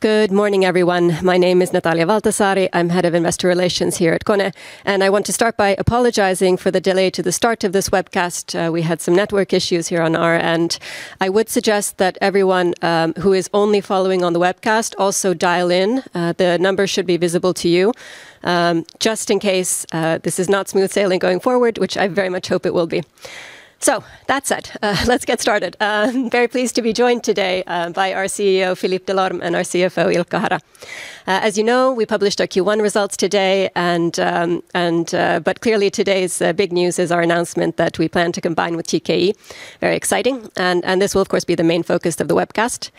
Good morning, everyone. My name is Natalia Valtasaari. I'm head of Investor Relations here at KONE. I want to start by apologizing for the delay to the start of this webcast. We had some network issues here on our end. I would suggest that everyone who is only following on the webcast also dial in. The number should be visible to you. Just in case this is not smooth sailing going forward, which I very much hope it will be. That said, let's get started. Very pleased to be joined today by our CEO Philippe Delorme and our CFO Ilkka Hara. As you know, we published our Q1 results today and clearly today's big news is our announcement that we plan to combine with TKE. Very exciting. This will of course be the main focus of the webcast.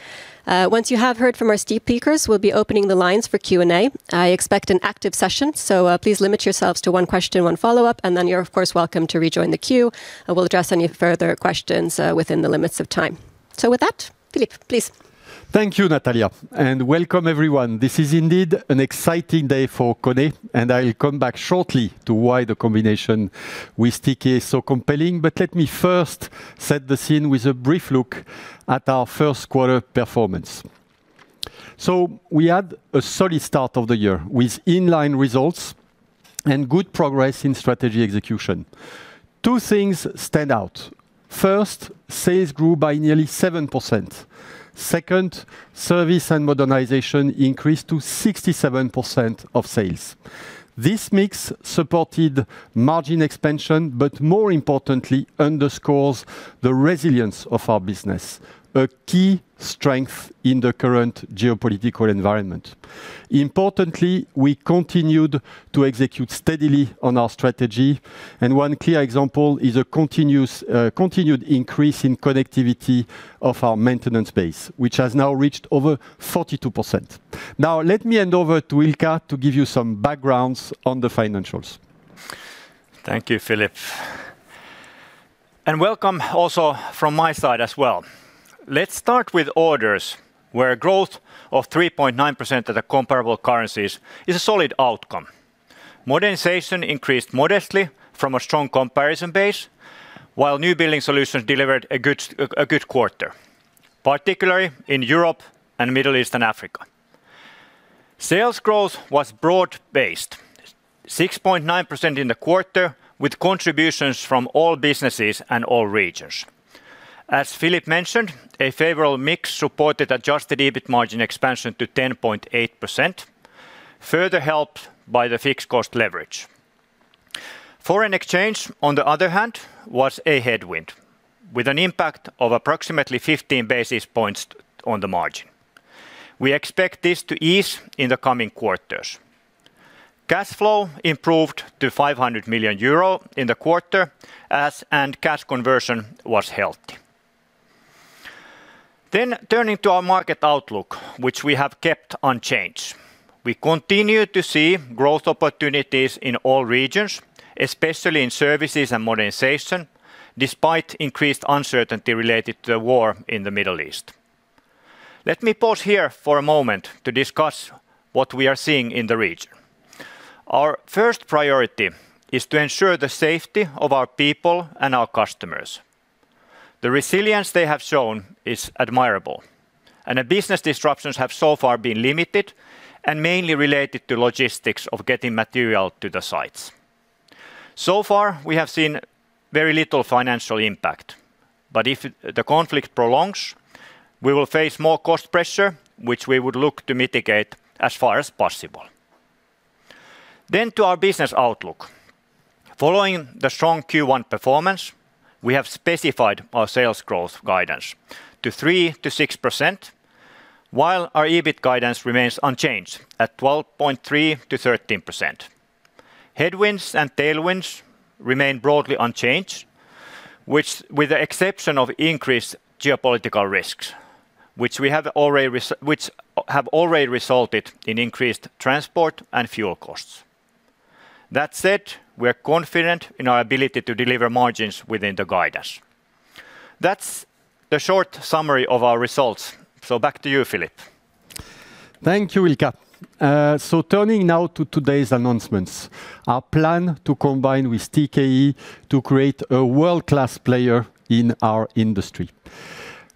Once you have heard from our speakers, we'll be opening the lines for Q&A. I expect an active session, please limit yourselves to one question, one follow-up, and then you're of course welcome to rejoin the queue and we'll address any further questions, within the limits of time. With that, Philippe, please. Thank you, Natalia. Welcome everyone. This is indeed an exciting day for KONE, and I'll come back shortly to why the combination with TKE is so compelling. Let me first set the scene with a brief look at our first quarter performance. We had a solid start of the year with in-line results and good progress in strategy execution. Two things stand out. First, sales grew by nearly 7%. Second, service and modernization increased to 67% of sales. This mix supported margin expansion, but more importantly underscores the resilience of our business, a key strength in the current geopolitical environment. Importantly, we continued to execute steadily on our strategy, and one clear example is a continuous, continued increase in connectivity of our maintenance base, which has now reached over 42%. Now let me hand over to Ilkka to give you some backgrounds on the financials. Thank you, Philippe, and welcome also from my side as well. Let's start with orders where growth of 3.9% at the comparable currencies is a solid outcome. Modernization increased modestly from a strong comparison base, while New Building Solutions delivered a good quarter, particularly in Europe and Middle East and Africa. Sales growth was broad based, 6.9% in the quarter with contributions from all businesses and all regions. As Philippe mentioned, a favorable mix supported adjusted EBIT margin expansion to 10.8%, further helped by the fixed cost leverage. Foreign exchange, on the other hand, was a headwind with an impact of approximately 15 basis points on the margin. We expect this to ease in the coming quarters. Cash flow improved to 500 million euro in the quarter, and cash conversion was healthy. Turning to our market outlook, which we have kept unchanged. We continue to see growth opportunities in all regions, especially in services and modernization, despite increased uncertainty related to the war in the Middle East. Let me pause here for a moment to discuss what we are seeing in the region. Our first priority is to ensure the safety of our people and our customers. The resilience they have shown is admirable, and the business disruptions have so far been limited and mainly related to logistics of getting material to the sites. So far, we have seen very little financial impact, but if the conflict prolongs, we will face more cost pressure, which we would look to mitigate as far as possible. To our business outlook. Following the strong Q1 performance, we have specified our sales growth guidance to 3%-6%, while our EBIT guidance remains unchanged at 12.3%-13%. Headwinds and tailwinds remain broadly unchanged, which with the exception of increased geopolitical risks, which have already resulted in increased transport and fuel costs. That said, we are confident in our ability to deliver margins within the guidance. That's the short summary of our results. Back to you, Philippe. Thank you, Ilkka. Turning now to today's announcements. Our plan to combine with TKE to create a world-class player in our industry.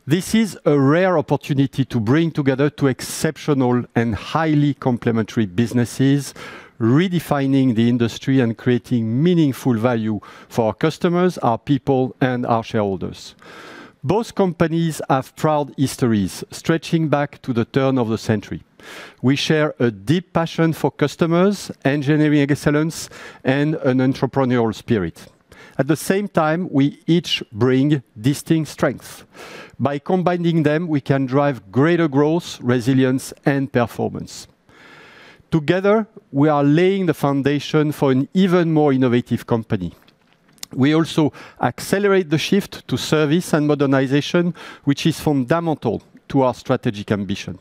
This is a rare opportunity to bring together two exceptional and highly complementary businesses, redefining the industry and creating meaningful value for our customers, our people, and our shareholders. Both companies have proud histories stretching back to the turn of the century. We share a deep passion for customers, engineering excellence, and an entrepreneurial spirit. At the same time, we each bring distinct strengths. By combining them, we can drive greater growth, resilience, and performance. Together, we are laying the foundation for an even more innovative company. We also accelerate the shift to service and modernization, which is fundamental to our strategic ambition.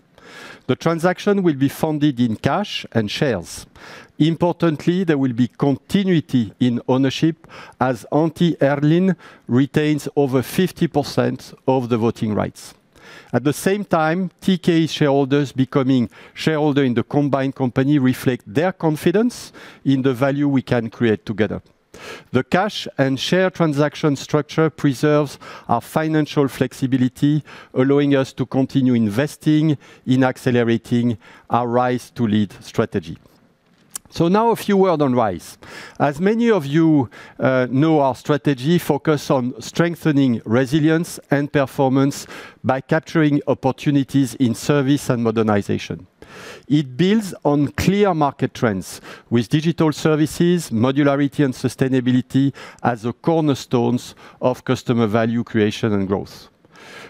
The transaction will be funded in cash and shares. Importantly, there will be continuity in ownership as Antti Herlin retains over 50% of the voting rights. At the same time, TKE Shareholder in the combined company reflect their confidence in the value we can create together. The cash and share transaction structure preserves our financial flexibility, allowing us to continue investing in accelerating our Rise to Lead strategy. Now a few word on Rise. As many of you know, our strategy focus on strengthening resilience and performance by capturing opportunities in service and modernization. It builds on clear market trends with digital services, modularity, and sustainability as the cornerstones of customer value creation and growth.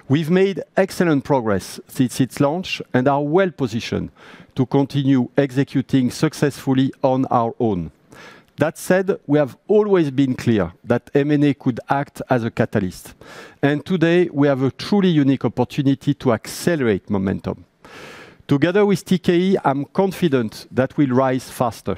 We've made excellent progress since its launch, and are well-positioned to continue executing successfully on our own. That said, we have always been clear that M&A could act as a catalyst, and today we have a truly unique opportunity to accelerate momentum. Together with TKE, I'm confident that we'll rise faster.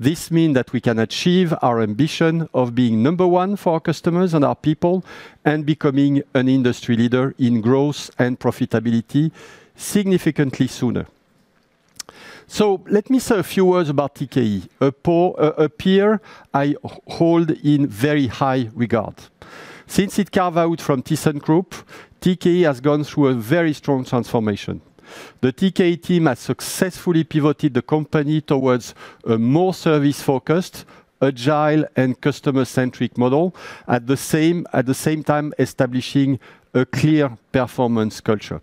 This means that we can achieve our ambition of being number one for our customers and our people, and becoming an industry leader in growth and profitability significantly sooner. Let me say a few words about TKE, a peer I hold in very high regard. Since its carve-out from ThyssenKrupp, TKE has gone through a very strong transformation. The TKE team has successfully pivoted the company towards a more service-focused, agile, and customer-centric model, at the same time establishing a clear performance culture.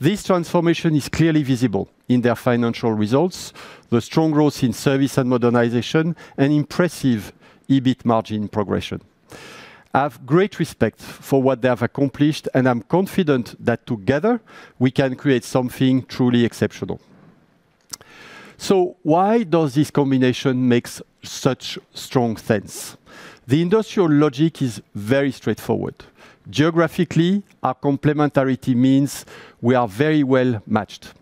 This transformation is clearly visible in their financial results, the strong growth in service and modernization, and impressive EBIT margin progression. I have great respect for what they have accomplished, and I'm confident that together we can create something truly exceptional. Why does this combination makes such strong sense? The industrial logic is very straightforward. Geographically, our complementarity means we are very well-matched.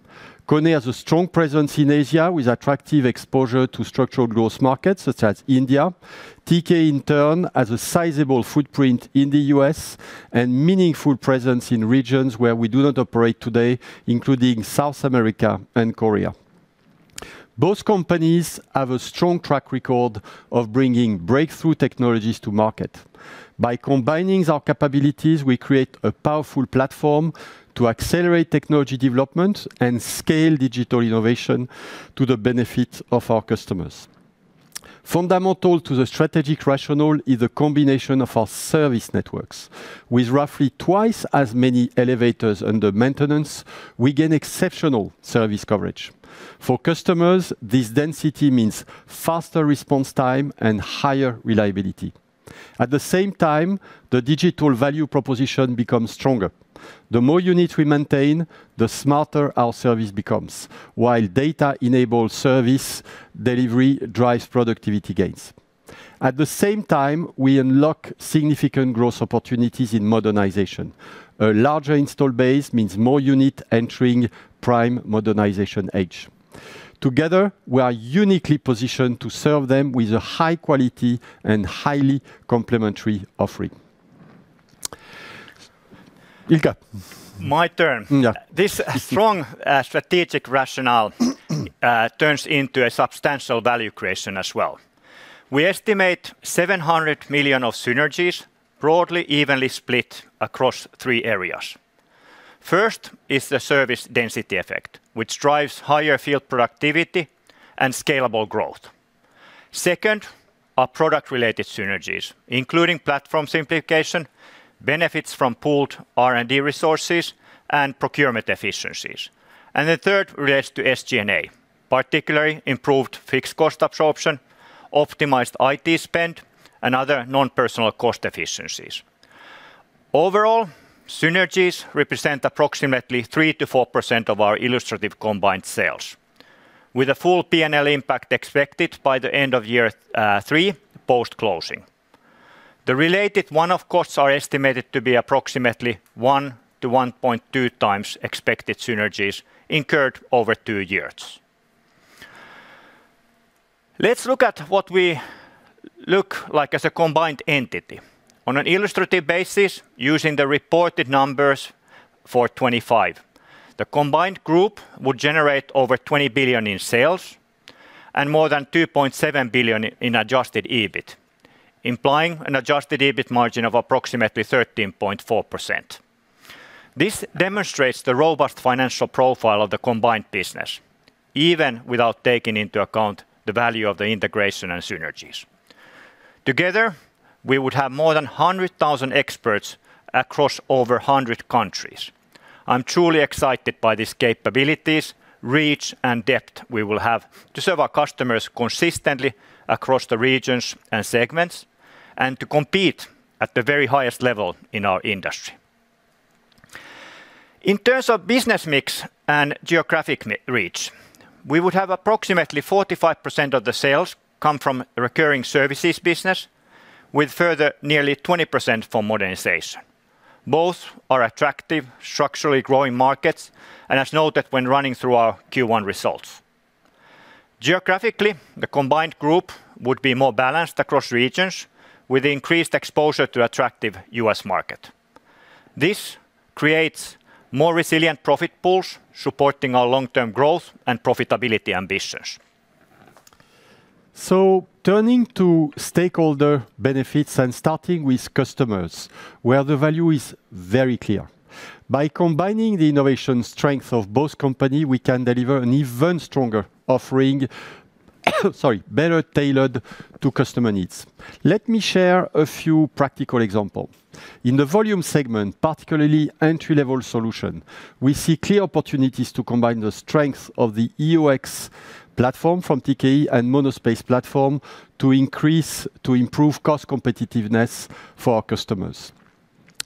KONE has a strong presence in Asia with attractive exposure to structural growth markets such as India. TKE, in turn, has a sizable footprint in the U.S. and meaningful presence in regions where we do not operate today, including South America and Korea. Both companies have a strong track record of bringing breakthrough technologies to market. By combining our capabilities, we create a powerful platform to accelerate technology development and scale digital innovation to the benefit of our customers. Fundamental to the strategic rationale is a combination of our service networks. With roughly twice as many elevators under maintenance, we gain exceptional service coverage. For customers, this density means faster response time and higher reliability. At the same time, the digital value proposition becomes stronger. The more units we maintain, the smarter our service becomes. While data-enabled service delivery drives productivity gains. At the same time, we unlock significant growth opportunities in modernization. A larger install base means more unit entering prime modernization age. Together, we are uniquely positioned to serve them with a high quality and highly complementary offering. Ilkka. My turn. Yeah. This strong, strategic rationale turns into a substantial value creation as well. We estimate 700 million of synergies broadly evenly split across three areas. First is the service density effect, which drives higher field productivity and scalable growth. Second are product-related synergies, including platform simplification, benefits from pooled R&D resources, and procurement efficiencies. The third relates to SG&A, particularly improved fixed cost absorption, optimized IT spend, and other non-personal cost efficiencies. Overall, synergies represent approximately 3%-4% of our illustrative combined sales, with a full P&L impact expected by the end of year three post-closing. The related one-off costs are estimated to be approximately 1-1.2 times expected synergies incurred over two years. Let's look at what we look like as a combined entity. On an illustrative basis, using the reported numbers for 2025, the combined group would generate over 20 billion in sales and more than 2.7 billion in adjusted EBIT, implying an adjusted EBIT margin of approximately 13.4%. This demonstrates the robust financial profile of the combined business, even without taking into account the value of the integration and synergies. Together, we would have more than 100,000 experts across over 100 countries. I'm truly excited by these capabilities, reach, and depth we will have to serve our customers consistently across the regions and segments, and to compete at the very highest level in our industry. In terms of business mix and geographic reach, we would have approximately 45% of the sales come from recurring services business, with further nearly 20% for modernization. Both are attractive, structurally growing markets, and as noted when running through our Q1 results. Geographically, the combined group would be more balanced across regions with increased exposure to attractive U.S. market. This creates more resilient profit pools supporting our long-term growth and profitability ambitions. Turning to stakeholder benefits and starting with customers, where the value is very clear. By combining the innovation strength of both companies, we can deliver an even stronger offering, sorry, better tailored to customer needs. Let me share a few practical examples. In the volume segment, particularly entry-level solutions, we see clear opportunities to combine the strength of the EOX platform from TKE and MonoSpace platform to improve cost competitiveness for our customers.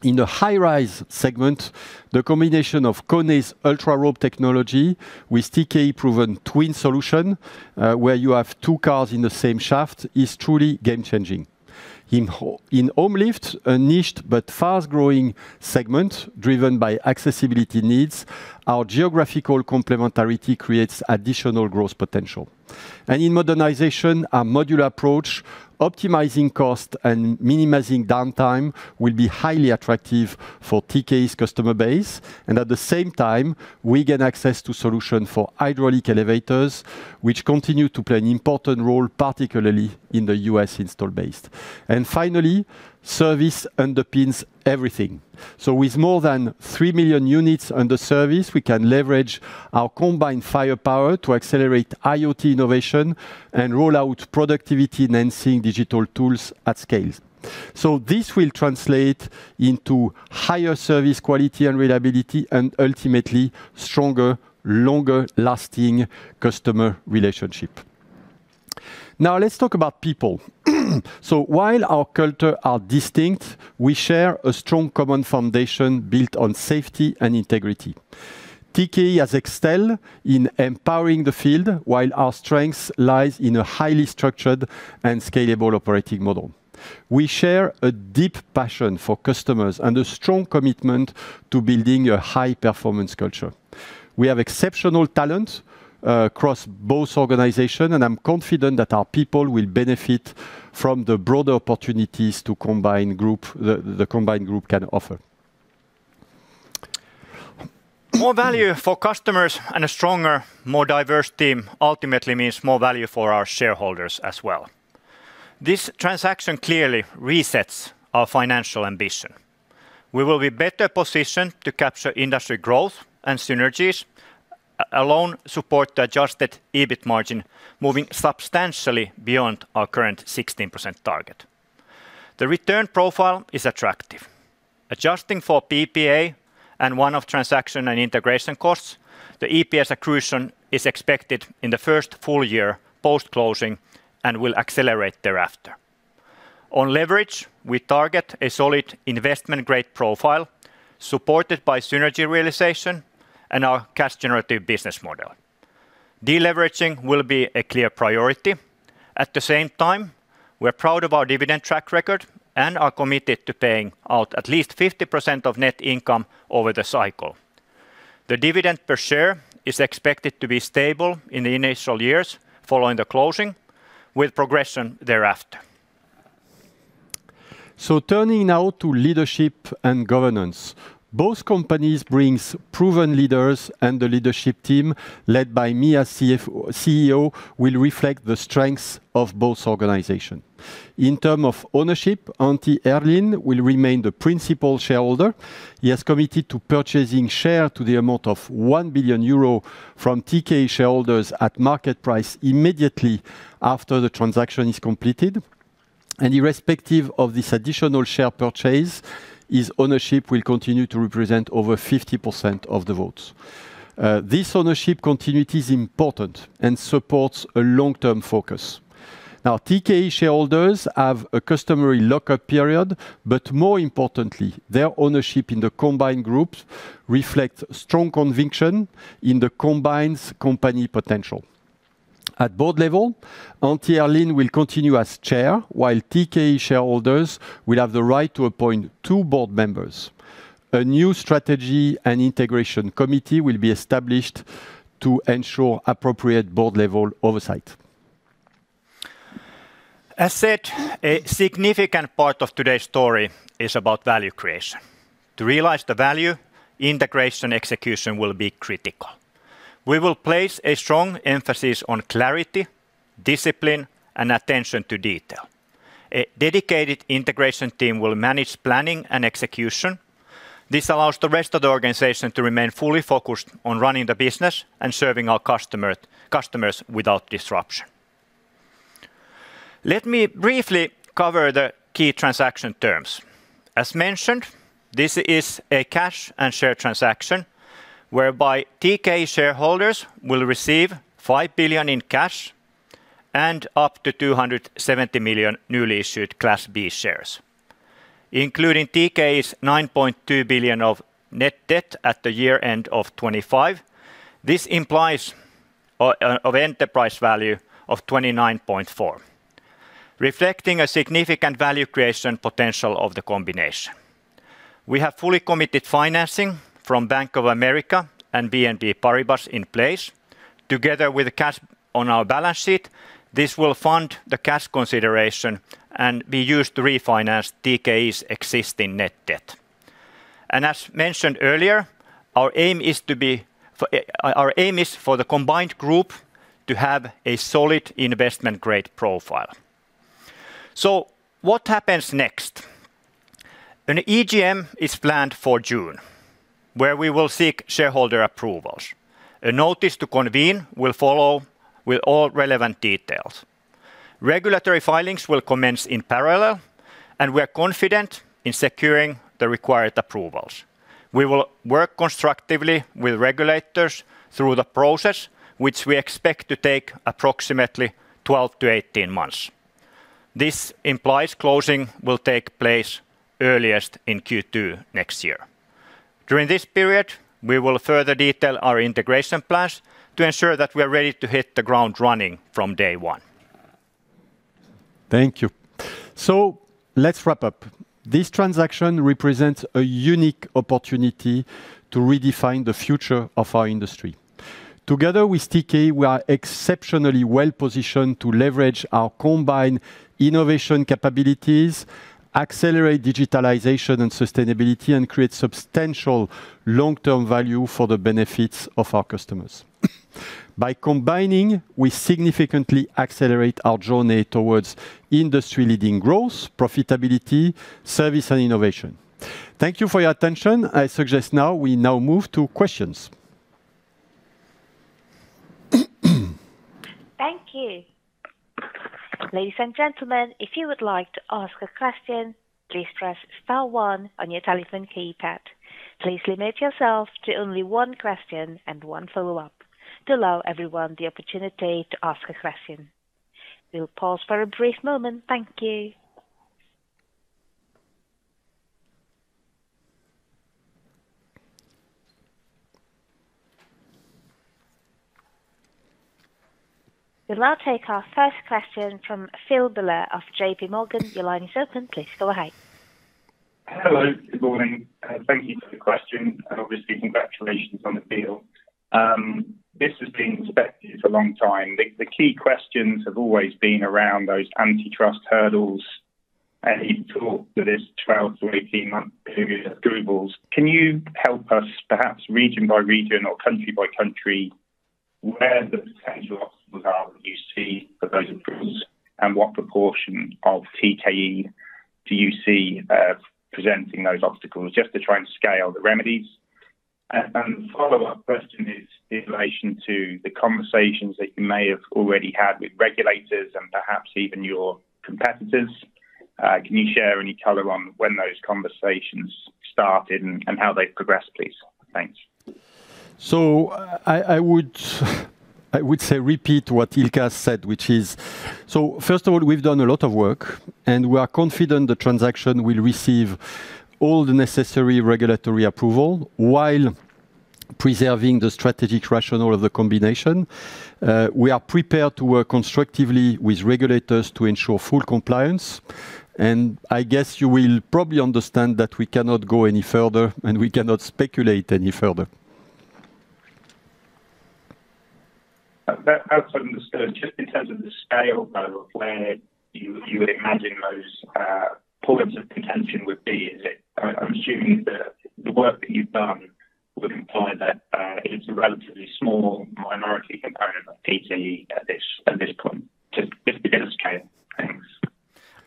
In the high-rise segment, the combination of KONE's UltraRope technology with TKE's proven TWIN solution, where you have two cars in the same shaft, is truly game-changing. In home lift, a niched but fast-growing segment driven by accessibility needs, our geographical complementarity creates additional growth potential. In modernization, our modular approach, optimizing cost and minimizing downtime will be highly attractive for TKE's customer base. At the same time, we gain access to solution for hydraulic elevators, which continue to play an important role, particularly in the U.S. install base. Finally, service underpins everything. With more than 3 million units under service, we can leverage our combined firepower to accelerate IoT innovation and roll out productivity-enhancing digital tools at scale. This will translate into higher service quality and reliability and ultimately stronger, longer-lasting customer relationship. Now let's talk about people. While our culture are distinct, we share a strong common foundation built on safety and integrity. TKE has excelled in empowering the field while our strengths lies in a highly structured and scalable operating model. We share a deep passion for customers and a strong commitment to building a high-performance culture. We have exceptional talent across both organization, and I'm confident that our people will benefit from the broader opportunities the combined group can offer. More value for customers and a stronger, more diverse team ultimately means more value for our shareholders as well. This transaction clearly resets our financial ambition. We will be better positioned to capture industry growth and synergies alone support the Adjusted EBIT margin, moving substantially beyond our current 16% target. The return profile is attractive. Adjusting for PPA and one-off transaction and integration costs, the EPS accretion is expected in the first full year post-closing and will accelerate thereafter. On leverage, we target a solid investment-grade profile supported by synergy realization and our cash generative business model. Deleveraging will be a clear priority. At the same time, we're proud of our dividend track record and are committed to paying out at least 50% of net income over the cycle. The dividend per share is expected to be stable in the initial years following the closing, with progression thereafter. Turning now to leadership and governance. Both companies bring proven leaders, and the leadership team, led by me as CEO, will reflect the strengths of both organizations. In terms of ownership, Antti Herlin will remain the principal shareholder. He has committed to purchasing shares to the amount of 1 billion euro from TKE shareholders at market price immediately after the transaction is completed. Irrespective of this additional share purchase, his ownership will continue to represent over 50% of the votes. This ownership continuity is important and supports a long-term focus. Now, TKE shareholders have a customary lock-up period, but more importantly, their ownership in the combined group reflects strong conviction in the combined company potential. At board level, Antti Herlin will continue as chair, while TKE shareholders will have the right to appoint two board members. A new strategy and integration committee will be established to ensure appropriate board-level oversight. As said, a significant part of today's story is about value creation. To realize the value, integration execution will be critical. We will place a strong emphasis on clarity, discipline, and attention to detail. A dedicated integration team will manage planning and execution. This allows the rest of the organization to remain fully focused on running the business and serving our customer, customers without disruption. Let me briefly cover the key transaction terms. As mentioned, this is a cash and share transaction whereby TKE shareholders will receive 5 billion in cash and up to 270 million newly issued Class B shares. Including TKE's 9.2 billion of net debt at the year end of 2025, this implies an enterprise value of 29.4 billion, reflecting a significant value creation potential of the combination. We have fully committed financing from Bank of America and BNP Paribas in place. Together with the cash on our balance sheet, this will fund the cash consideration and be used to refinance TKE's existing net debt. As mentioned earlier, our aim is for the combined group to have a solid investment grade profile. What happens next? An EGM is planned for June, where we will seek shareholder approvals. A notice to convene will follow with all relevant details. Regulatory filings will commence in parallel, and we are confident in securing the required approvals. We will work constructively with regulators through the process, which we expect to take approximately 12-18 months. This implies closing will take place earliest in Q2 next year. During this period, we will further detail our integration plans to ensure that we are ready to hit the ground running from day one. Thank you. Let's wrap up. This transaction represents a unique opportunity to redefine the future of our industry. Together with TKE, we are exceptionally well-positioned to leverage our combined innovation capabilities, accelerate digitalization and sustainability, and create substantial long-term value for the benefits of our customers. By combining, we significantly accelerate our journey towards industry-leading growth, profitability, service and innovation. Thank you for your attention. I suggest now we move to questions. Thank you. Ladies and gentlemen, if you would like to ask a question, please press star one on your telephone keypad. Please limit yourself to only one question and one follow-up to allow everyone the opportunity to ask a question. We'll pause for a brief moment. Thank you. We'll now take our first question from Phil Miller of JPMorgan. Your line is open. Please go ahead. Hello. Good morning. Thank you for the question, and obviously congratulations on the deal. This has been expected for a long time. The key questions have always been around those antitrust hurdles. Any thought to this 12-18 month period of hurdles. Can you help us perhaps region by region or country by country where the potential obstacles are that you see for those approvals? What proportion of TKE do you see presenting those obstacles? Just to try and scale the remedies. The follow-up question is in relation to the conversations that you may have already had with regulators and perhaps even your competitors. Can you share any color on when those conversations started and how they've progressed, please? Thanks. I would say repeat what Ilkka said, which is. First of all, we've done a lot of work, and we are confident the transaction will receive all the necessary regulatory approval while preserving the strategic rationale of the combination. We are prepared to work constructively with regulators to ensure full compliance, and I guess you will probably understand that we cannot go any further, and we cannot speculate any further. That's understood. Just in terms of the scale, though, of where you would imagine those points of contention would be. I'm assuming that the work that you've done would imply that it is a relatively small minority component of TKE at this point. Just to get a scale. Thanks.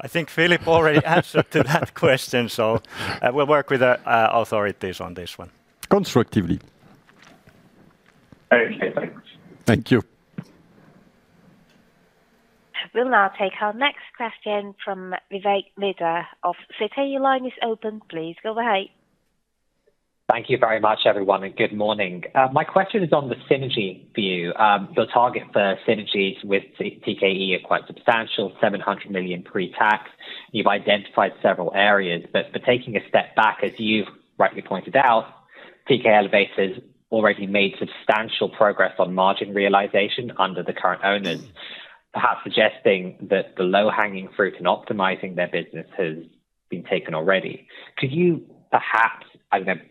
I think Philippe already answered to that question, so we'll work with our authorities on this one. Constructively. Okay, thanks. Thank you. We'll now take our next question from Vivek Midha of Citi. Your line is open. Please go ahead. Thank you very much, everyone, and good morning. My question is on the synergy view. Your target for synergies with TKE are quite substantial, 700 million pre-tax. You've identified several areas, but taking a step back, as you've rightly pointed out, TKE Elevators already made substantial progress on margin realization under the current owners, perhaps suggesting that the low-hanging fruit in optimizing their business has been taken already. Could you perhaps, I don't know,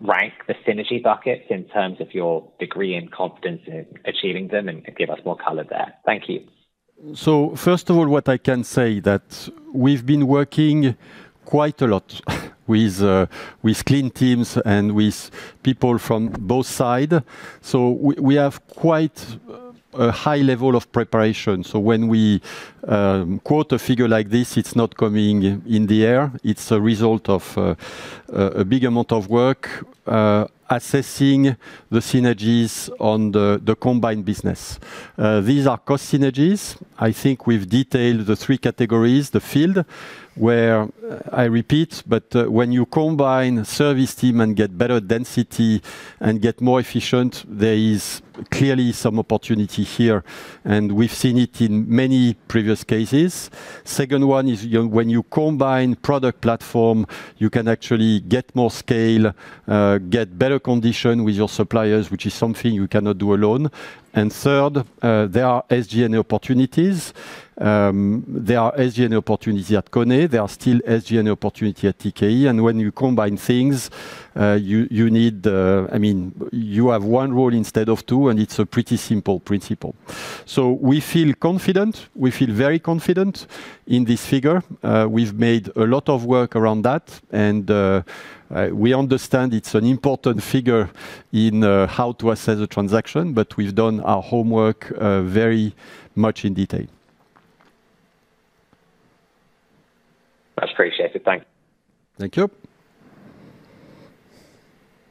rank the synergy buckets in terms of your degree and confidence in achieving them and give us more color there? Thank you. First of all, what I can say that we've been working quite a lot with clean teams and with people from both sides. We have quite a high level of preparation. When we quote a figure like this, it's not coming in the air. It's a result of a big amount of work assessing the synergies on the combined business. These are cost synergies. I think we've detailed the three categories, the field where, I repeat, but when you combine service team and get better density and get more efficient, there is clearly some opportunity here, and we've seen it in many previous cases. Second one is when you combine product platform, you can actually get more scale, get better condition with your suppliers, which is something you cannot do alone. Third, there are SG&A opportunities. There are SG&A opportunities at KONE. There are still SG&A opportunity at TKE. When you combine things, I mean, you have one role instead of two, and it's a pretty simple principle. We feel confident. We feel very confident in this figure. We've made a lot of work around that, and we understand it's an important figure in how to assess a transaction, but we've done our homework, very much in detail. That's appreciated. Thanks. Thank you.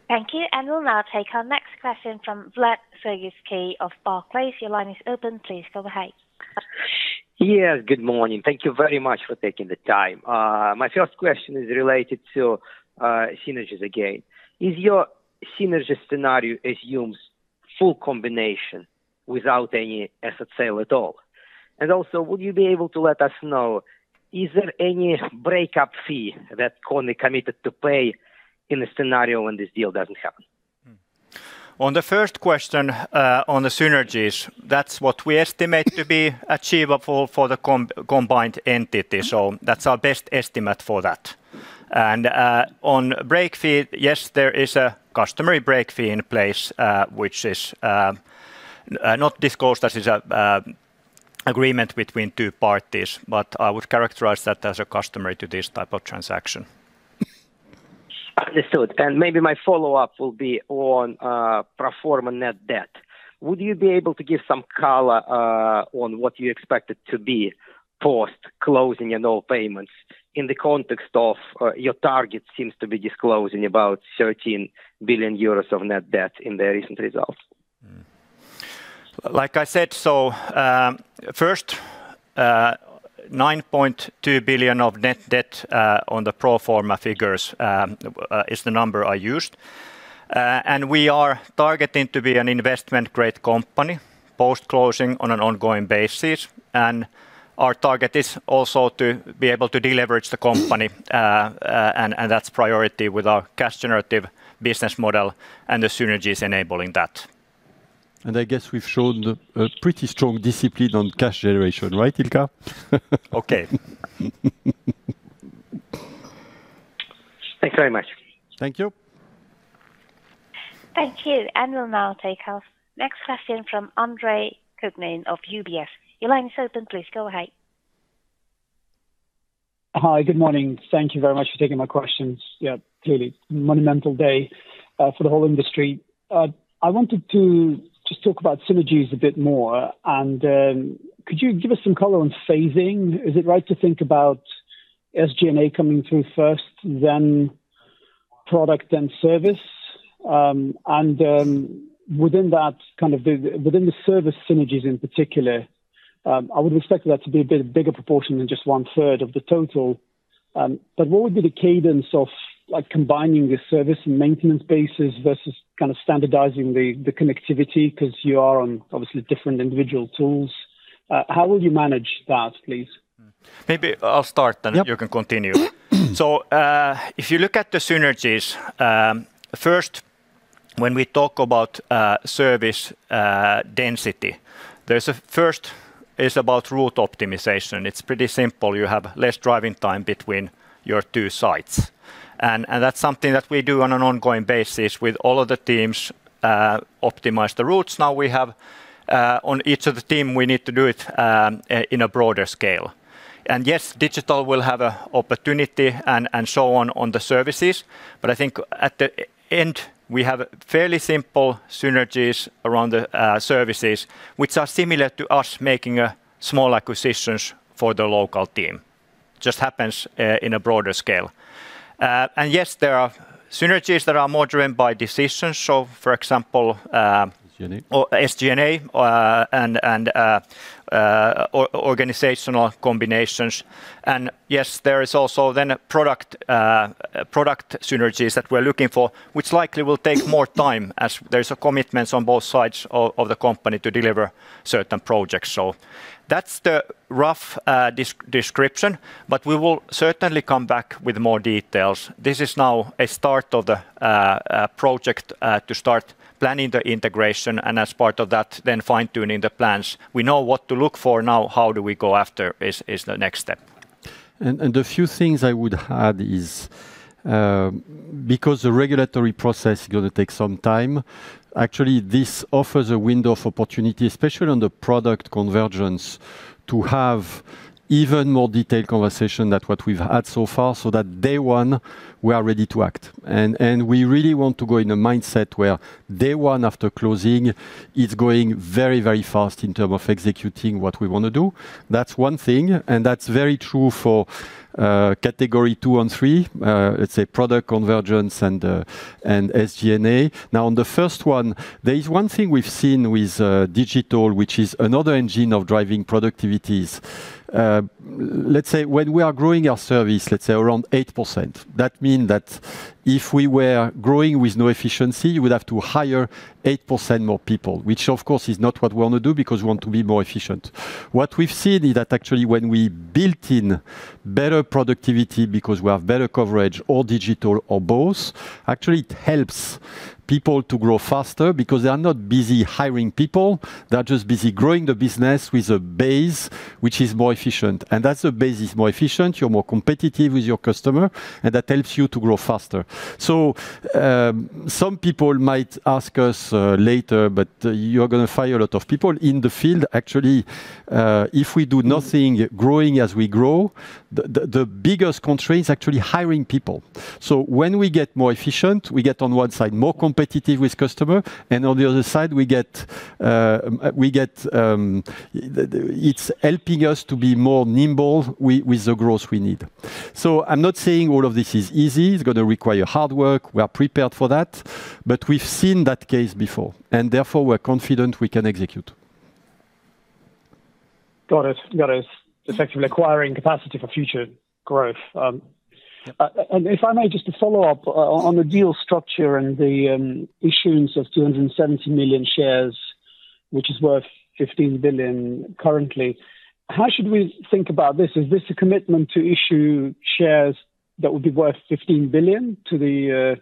Thank you. We'll now take our next question from Vladimir Sergievskiy of Barclays. Your line is open. Please go ahead. Yes, good morning. Thank you very much for taking the time. My first question is related to synergies again. Is your synergy scenario assumes full combination without any asset sale at all? And also, would you be able to let us know, is there any break-up fee that KONE committed to pay in a scenario when this deal doesn't happen? On the first question, on the synergies, that's what we estimate to be achievable for the combined entity. That's our best estimate for that. On break fee, yes, there is a customary break fee in place, which is not disclosed, as is the agreement between two parties. I would characterize that as customary to this type of transaction. Understood. Maybe my follow-up will be on pro forma net debt. Would you be able to give some color on what you expect it to be post-closing and all payments in the context of your target seems to be disclosing about 13 billion euros of net debt in the recent results. Like I said, first, 9.2 billion of net debt on the pro forma figures is the number I used. We are targeting to be an investment-grade company post-closing on an ongoing basis. Our target is also to be able to deleverage the company, and that's priority with our cash generative business model and the synergies enabling that. I guess we've shown a pretty strong discipline on cash generation. Right, Ilkka? Okay. Thanks very much. Thank you. Thank you. We'll now take our next question from Andre Kukhnin of UBS. Your line is open. Please go ahead. Hi. Good morning. Thank you very much for taking my questions. Yeah, clearly monumental day for the whole industry. I wanted to just talk about synergies a bit more. Could you give us some color on phasing? Is it right to think about SG&A coming through first, then product and service? Within that, within the service synergies in particular, I would expect that to be a bit bigger proportion than just one-third of the total. What would be the cadence of, like, combining the service and maintenance bases versus kind of standardizing the connectivity? 'Cause you are on, obviously, different individual tools. How will you manage that, please? Maybe I'll start- Yep. Then you can continue. If you look at the synergies, first, when we talk about service density, the first is about route optimization. It's pretty simple. You have less driving time between your two sites. That's something that we do on an ongoing basis with all of the teams, optimize the routes. Now we have, on each of the teams, we need to do it, in a broader scale. Yes, digital will have an opportunity and so on the services, but I think at the end, we have fairly simple synergies around the services which are similar to us making small acquisitions for the local team. Just happens in a broader scale. Yes, there are synergies that are more driven by decisions. For example, SG&A SG&A, and organizational combinations. Yes, there is also then product synergies that we're looking for, which likely will take more time as there's commitments on both sides of the company to deliver certain projects. That's the rough description, but we will certainly come back with more details. This is now a start of the project to start planning the integration and as part of that then fine-tuning the plans. We know what to look for. Now, how do we go after it is the next step. The few things I would add is, because the regulatory process is gonna take some time, actually this offers a window of opportunity, especially on the product convergence, to have even more detailed conversation than what we've had so far, so that day one we are ready to act. We really want to go in a mindset where day one after closing is going very, very fast in term of executing what we wanna do. That's one thing, and that's very true for category two and three, let's say product convergence and SG&A. Now, on the first one, there is one thing we've seen with digital, which is another engine of driving productivities. Let's say when we are growing our service, let's say around 8%, that mean that if we were growing with no efficiency, you would have to hire 8% more people. Which of course is not what we want to do because we want to be more efficient. What we've seen is that actually when we built in better productivity because we have better coverage or digital or both, actually it helps people to grow faster because they are not busy hiring people. They are just busy growing the business with a base which is more efficient. As the base is more efficient, you're more competitive with your customer and that helps you to grow faster. Some people might ask us later, but you're gonna fire a lot of people. In the field, actually, if we do nothing, growing as we grow, the biggest constraint is actually hiring people. When we get more efficient, we get on one side more competitive with customer, and on the other side, it's helping us to be more nimble with the growth we need. I'm not saying all of this is easy. It's gonna require hard work. We are prepared for that. We've seen that case before, and therefore we're confident we can execute. Got it. Effectively acquiring capacity for future growth. If I may just to follow up on the deal structure and the issuance of 270 million shares, which is worth 15 billion currently. How should we think about this? Is this a commitment to issue shares that would be worth 15 billion to the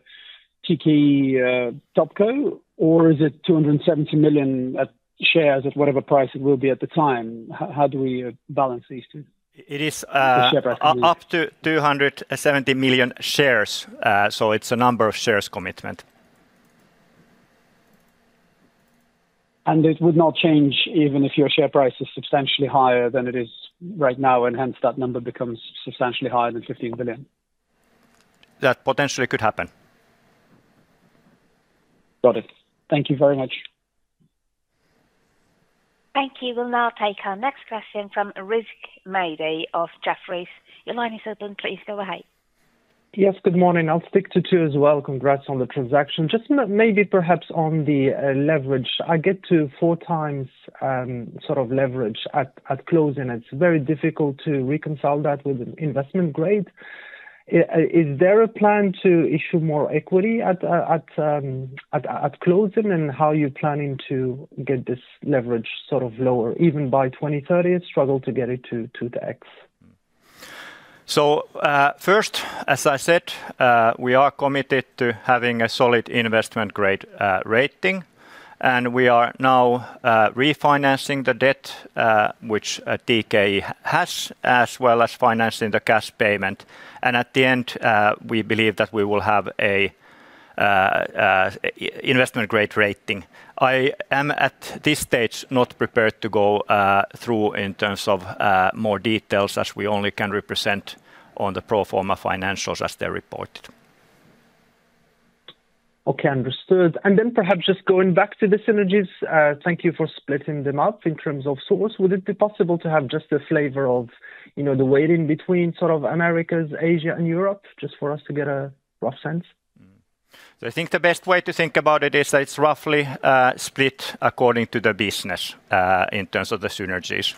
TKE top co? Or is it 270 million shares at whatever price it will be at the time? How do we balance these two? It is. share price... up to 270 million shares. It's a number of shares commitment. It would not change even if your share price is substantially higher than it is right now, and hence that number becomes substantially higher than 15 billion? That potentially could happen. Got it. Thank you very much. Thank you. We'll now take our next question from Rizk Maidi of Jefferies. Your line is open, please go ahead. Yes, good morning. I'll stick to two as well. Congrats on the transaction. Just maybe perhaps on the leverage. I get to 4x sort of leverage at closing. It's very difficult to reconcile that with an investment grade. Is there a plan to issue more equity at closing? How are you planning to get this leverage sort of lower? Even by 2030, I struggle to get it to 2x. First, as I said, we are committed to having a solid investment grade rating. We are now refinancing the debt which TKE has, as well as financing the cash payment. At the end, we believe that we will have a investment grade rating. I am, at this stage, not prepared to go through in terms of more details, as we only can represent on the pro forma financials as they're reported. Okay, understood. Perhaps just going back to the synergies, thank you for splitting them up in terms of source. Would it be possible to have just a flavor of, you know, the weighting between sort of Americas, Asia and Europe, just for us to get a rough sense? I think the best way to think about it is that it's roughly split according to the business in terms of the synergies.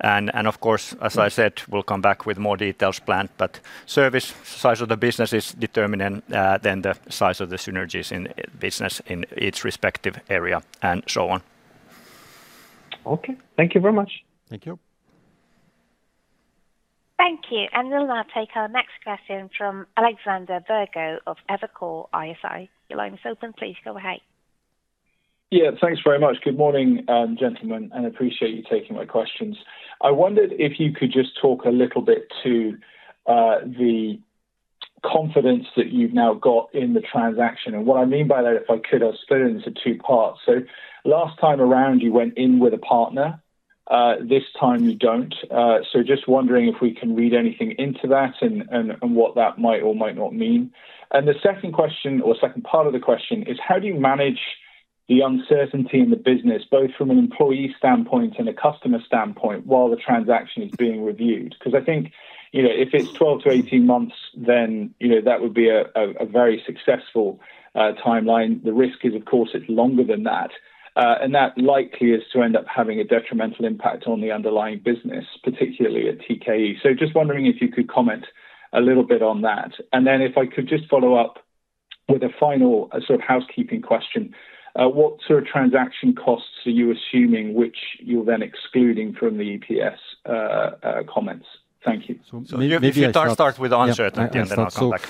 Of course, as I said, we'll come back with more details planned. Service size of the business is determining then the size of the synergies in business in its respective area and so on. Okay. Thank you very much. Thank you. Thank you. We'll now take our next question from Alexander Virgo of Evercore ISI. Your line is open. Please go ahead. Yeah, thanks very much. Good morning, gentlemen, and appreciate you taking my questions. I wondered if you could just talk a little bit to the confidence that you've now got in the transaction. What I mean by that, if I could, I'll split it into two parts. Last time around, you went in with a partner. This time you don't. Just wondering if we can read anything into that and what that might or might not mean. The second question or second part of the question is how do you manage the uncertainty in the business, both from an employee standpoint and a customer standpoint while the transaction is being reviewed? 'Cause I think, you know, if it's 12-18 months, then, you know, that would be a very successful timeline. The risk is, of course, it's longer than that. That likely is to end up having a detrimental impact on the underlying business, particularly at TKE. Just wondering if you could comment a little bit on that. If I could just follow up with a final sort of housekeeping question. What sort of transaction costs are you assuming which you're then excluding from the EPS comments? Thank you. Maybe if you start. Maybe if you start- -start with Ange at- Yeah. the end, and I'll come back.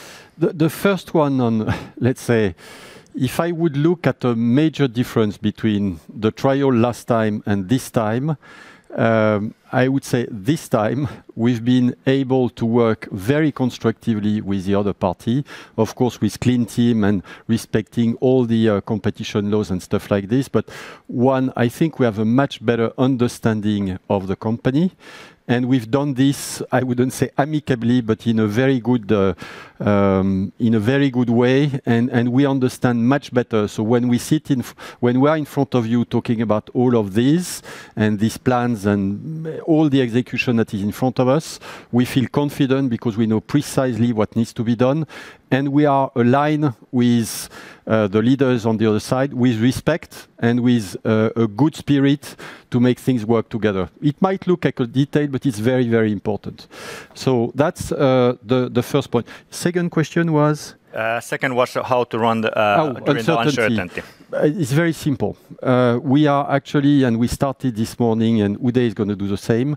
The first one on let's say if I would look at a major difference between the deal last time and this time, I would say this time we've been able to work very constructively with the other party. Of course, with clean team and respecting all the competition laws and stuff like this. One, I think we have a much better understanding of the company, and we've done this, I wouldn't say amicably, but in a very good way. We understand much better. When we sit when we are in front of you talking about all of this and these plans and all the execution that is in front of us, we feel confident because we know precisely what needs to be done, and we are aligned with the leaders on the other side with respect and with a good spirit to make things work together. It might look like a detail, but it's very, very important. That's the first point. Second question was? Second was how to run the. How uncertainty. the uncertainty. It's very simple. We are actually, and we started this morning, and Uday is gonna do the same.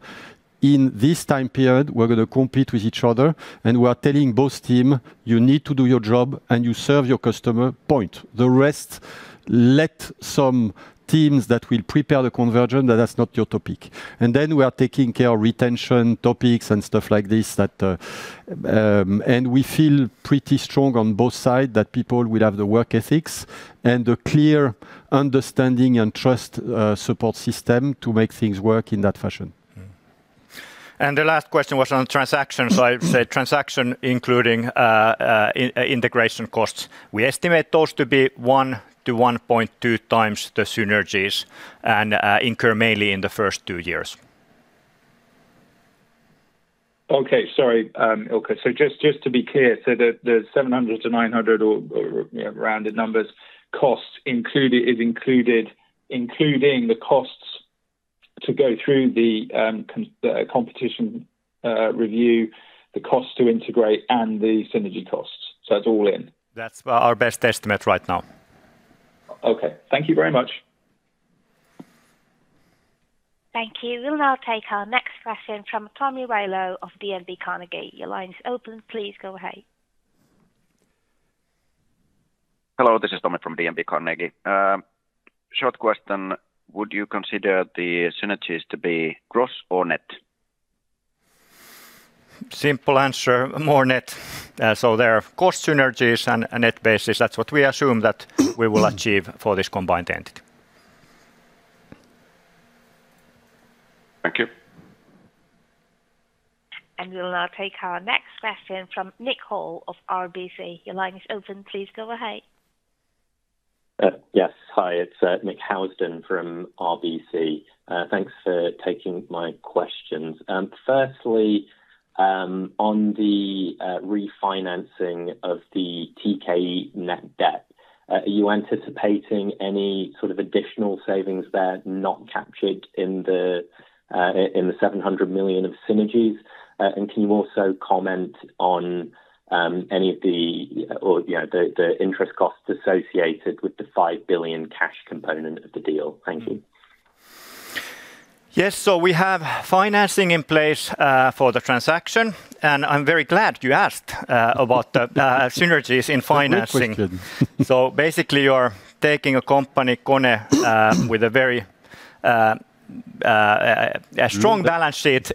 In this time period, we're gonna compete with each other, and we are telling both team, you need to do your job and you serve your customer, point. The rest, let some teams that will prepare the conversion, that that's not your topic. We are taking care of retention topics and stuff like this that. We feel pretty strong on both sides that people will have the work ethics and a clear understanding and trust, support system to make things work in that fashion. The last question was on transactions. I would say transaction including integration costs. We estimate those to be 1 to 1.2 times the synergies and incur mainly in the first two years. Okay, sorry, Ilkka. Just to be clear, the 700-900 or, you know, rounded numbers cost is included, including the costs to go through the competition review, the cost to integrate and the synergy costs. It's all in? That's our best estimate right now. Okay. Thank you very much. Thank you. We'll now take our next question from Tomi Railo of DNB Carnegie. Your line is open. Please go ahead. Hello, this is Tomi from DNB Carnegie. Short question, would you consider the synergies to be gross or net? Simple answer, more net. There are cost synergies and a net basis. That's what we assume that we will achieve for this combined entity. Thank you. We'll now take our next question from Nick Housden of RBC. Your line is open. Please go ahead. Yes. Hi, it's Nick Housden from RBC. Thanks for taking my questions. Firstly, on the refinancing of the TKE net debt, are you anticipating any sort of additional savings there not captured in the 700 million of synergies? And can you also comment on any other, you know, the interest costs associated with the 5 billion cash component of the deal? Thank you. Yes. We have financing in place, for the transaction, and I'm very glad you asked, about the synergies in financing. Good question. Basically, you're taking a company, KONE, with a very strong balance sheet,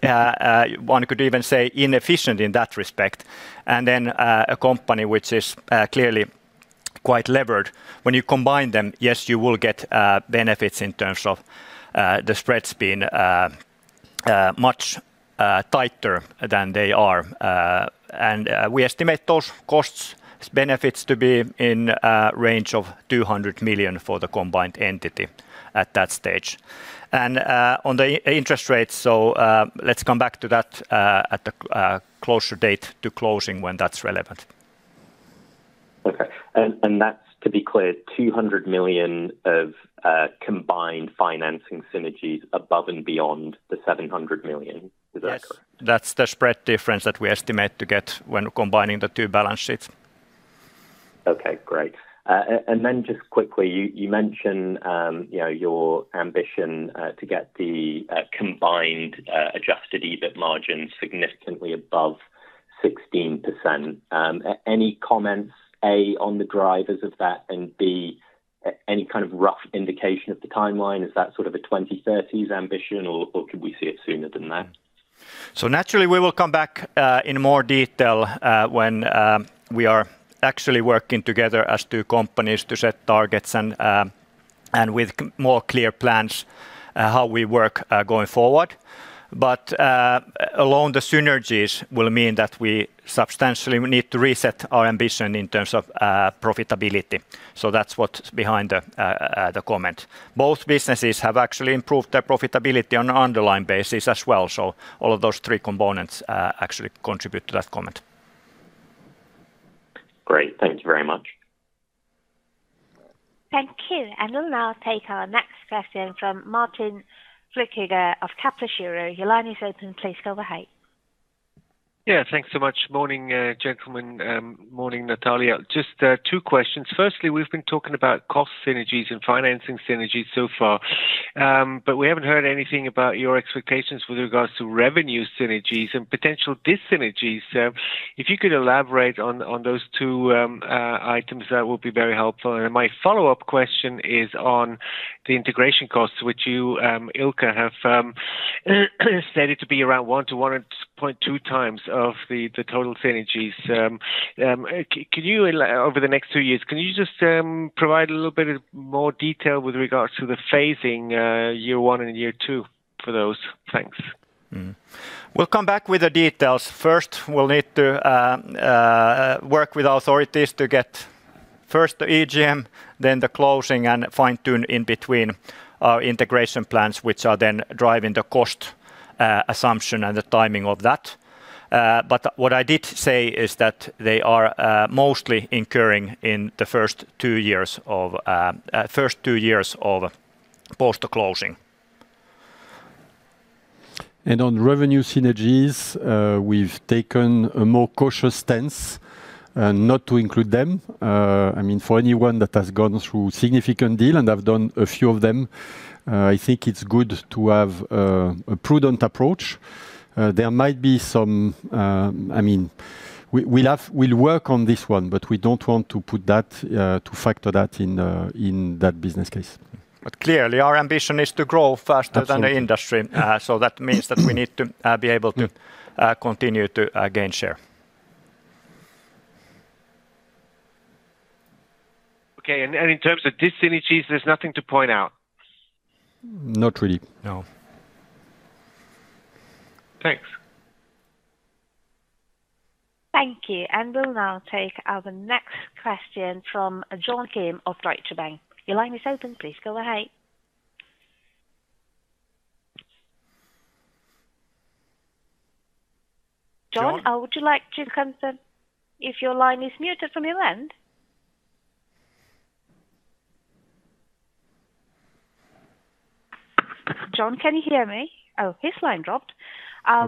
one could even say inefficient in that respect, and then a company which is clearly quite levered. When you combine them, yes, you will get benefits in terms of the spreads being much tighter than they are. We estimate those cost benefits to be in a range of 200 million for the combined entity at that stage. On the interest rate, let's come back to that at the closer date to closing when that's relevant. Okay. That's, to be clear, 200 million of combined financing synergies above and beyond the 700 million. Is that correct? Yes. That's the spread difference that we estimate to get when combining the two balance sheets. Okay, great. Then just quickly, you mentioned, you know, your ambition to get the combined Adjusted EBIT margin significantly above 16%. Any comments, A, on the drivers of that and, B, any kind of rough indication of the timeline? Is that sort of a 2030s ambition or could we see it sooner than that? Naturally, we will come back in more detail when we are actually working together as two companies to set targets and with more clear plans how we work going forward. Alone, the synergies will mean that we substantially need to reset our ambition in terms of profitability. That's what's behind the comment. Both businesses have actually improved their profitability on an underlying basis as well. All of those three components actually contribute to that comment. Great. Thank you very much. Thank you. We'll now take our next question from Martin Fluckiger of Kepler Cheuvreux. Your line is open. Please go ahead. Yeah, thanks so much. Morning, gentlemen. Morning, Natalia. Just two questions. Firstly, we've been talking about cost synergies and financing synergies so far, but we haven't heard anything about your expectations with regards to revenue synergies and potential dis-synergies. If you could elaborate on those two items that will be very helpful. My follow-up question is on the integration costs, which you, Ilkka, have said it to be around 1 to 1.2 times of the total synergies. Over the next two years, can you just provide a little bit more detail with regards to the phasing, year one and year two for those? Thanks. We'll come back with the details. First, we'll need to work with authorities to get first the EGM, then the closing and fine-tune in between our integration plans, which are then driving the cost assumption and the timing of that. What I did say is that they are mostly incurring in the first two years of post-closing. On revenue synergies, we've taken a more cautious stance, not to include them. I mean, for anyone that has gone through significant deal, and I've done a few of them, I think it's good to have a prudent approach. There might be some. I mean, we'll work on this one, but we don't want to put that to factor that in that business case. Clearly, our ambition is to grow faster. Absolutely... than the industry. That means that we need to be able to continue to gain share. Okay. In terms of dis-synergies, there's nothing to point out? Not really, no. Thanks. Thank you. We'll now take our next question from John Kim of Deutsche Bank. Your line is open. Please go ahead. John, would you like to confirm if your line is muted from your end? John, can you hear me? Oh, his line dropped.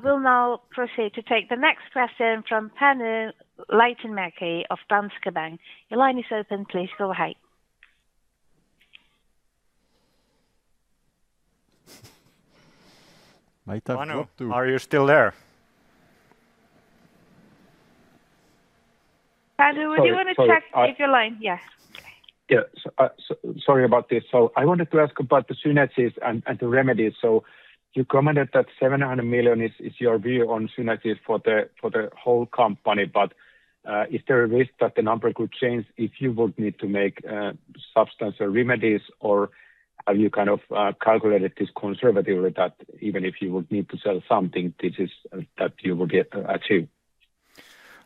We'll now proceed to take the next question from Panu Laitinmäki of Danske Bank. Your line is open. Please go ahead. Might have dropped too. Panu, are you still there? Panu, would you wanna check if your line? Yeah. Sorry about this. I wanted to ask about the synergies and the remedies. You commented that 700 million is your view on synergies for the whole company. Is there a risk that the number could change if you would need to make substantial remedies? Or have you kind of calculated this conservatively that even if you would need to sell something, this is that you will achieve?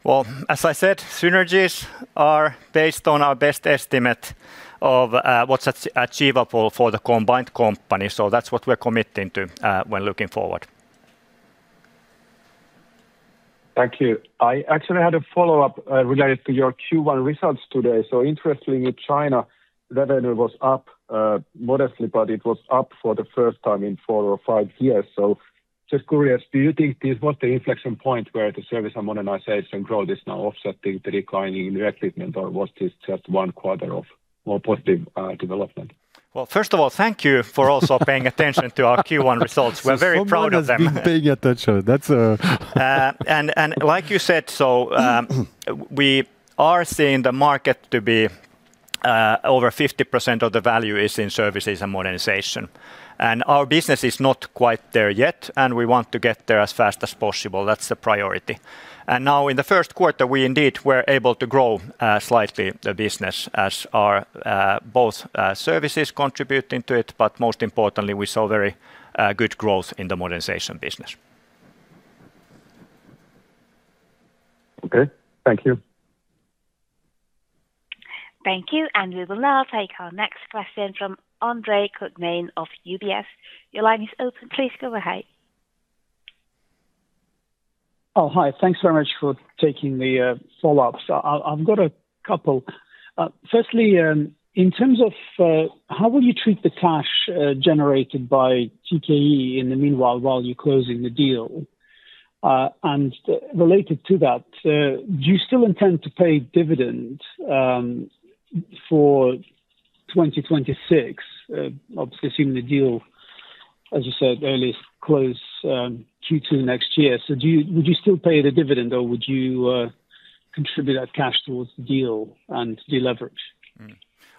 Well, as I said, synergies are based on our best estimate of what's achievable for the combined company. That's what we're committing to, when looking forward. Thank you. I actually had a follow-up related to your Q1 results today. Interestingly, China revenue was up modestly, but it was up for the first time in four or five years. Just curious, do you think this was the inflection point where the service and modernization growth is now offsetting the declining direct segment, or was this just one quarter of more positive development? Well, first of all, thank you for paying attention to our Q1 results. We're very proud of them. Someone has been paying attention. That's like you said, we are seeing the market to be over 50% of the value is in services and modernization, and our business is not quite there yet, and we want to get there as fast as possible. That's the priority. Now, in the first quarter, we indeed were able to grow slightly the business as our both services contributing to it, but most importantly, we saw very good growth in the modernization business. Okay. Thank you. Thank you. We will now take our next question from Andre Kukhnin of UBS. Your line is open. Please go ahead. Oh, hi. Thanks very much for taking the follow-ups. I've got a couple. Firstly, in terms of how will you treat the cash generated by TKE in the meanwhile while you're closing the deal? And related to that, do you still intend to pay dividend for 2026? Obviously assuming the deal, as you said earlier, closes Q2 next year. Would you still pay the dividend or would you contribute that cash towards the deal and deleverage?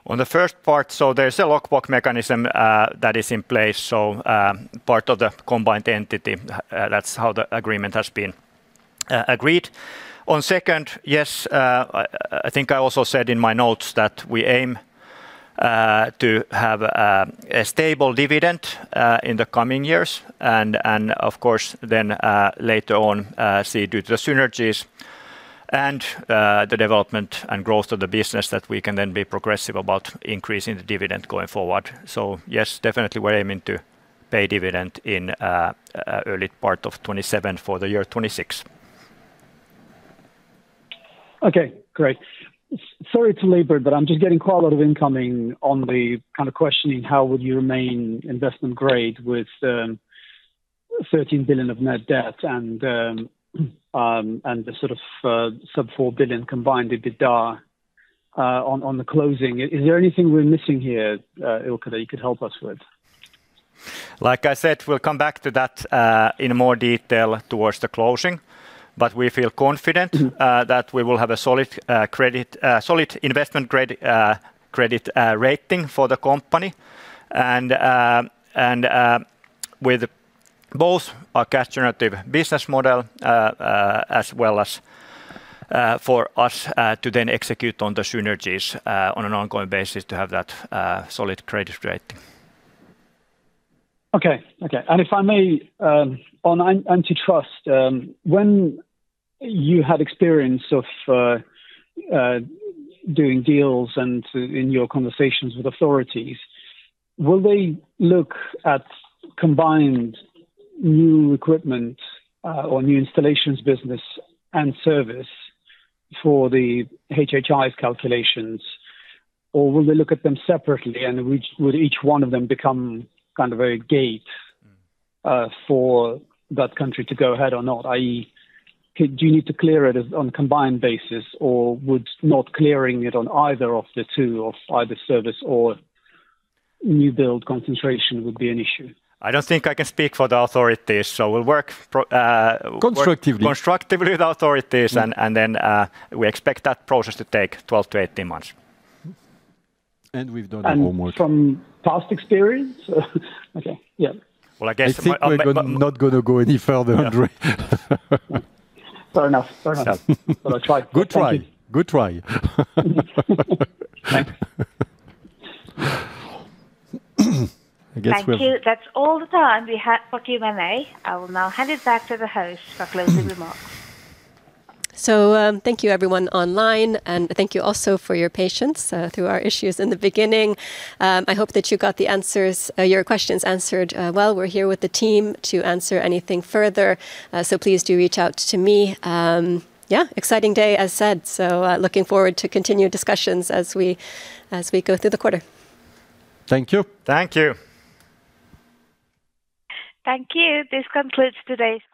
On the first part, there's a lock box mechanism that is in place. Part of the combined entity, that's how the agreement has been agreed. On second, yes, I think I also said in my notes that we aim to have a stable dividend in the coming years and, of course, then later on, see due to the synergies and the development and growth of the business that we can then be progressive about increasing the dividend going forward. Yes, definitely we're aiming to pay dividend in early part of 2027 for the year 2026. Okay, great. Sorry to labor, but I'm just getting quite a lot of incoming on the kind of questioning how would you remain investment grade with 13 billion of net debt and the sort of sub 4 billion combined EBITDA on closing. Is there anything we're missing here, Ilkka, that you could help us with? Like I said, we'll come back to that in more detail towards the closing, but we feel confident. that we will have a solid investment grade credit rating for the company and with both our cash generative business model as well as for us to then execute on the synergies on an ongoing basis to have that solid credit rating. If I may, on antitrust, when you had experience of doing deals and in your conversations with authorities, will they look at combined new equipment, or new installations business and service for the HHI calculations? Or will they look at them separately? Which would each one of them become kind of a gate for that country to go ahead or not? i.e., do you need to clear it on a combined basis or would not clearing it on either of the two of either service or new build concentration be an issue? I don't think I can speak for the authorities, so we'll work. Constructively constructively with authorities and then we expect that process to take 12-18 months. We've done the homework. From past experience. Okay. Yeah. Well, I guess. I think we're not gonna go any further, Andre. Fair enough. Fair enough. Yeah. Well, I tried. Good try. Thank you. Good try. Thank you. I guess we'll- Thank you. That's all the time we have for Q&A. I will now hand it back to the host for closing remarks. Thank you everyone online, and thank you also for your patience through our issues in the beginning. I hope that you got the answers, your questions answered. While we're here with the team to answer anything further, please do reach out to me. Yeah, exciting day as said. Looking forward to continued discussions as we go through the quarter. Thank you. Thank you. Thank you. This concludes today's.